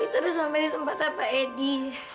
jadi talitha udah sampai di tempatnya pak edi